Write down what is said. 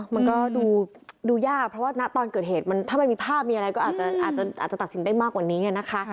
มันก็ดูยากเพราะว่าณตอนเกิดเหตุถ้ามันมีภาพมีอะไรก็อาจจะตัดสินได้มากกว่านี้นะคะ